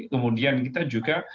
kemudian kita juga